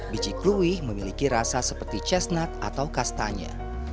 biji kluwi memiliki rasa seperti chestnut atau kastanya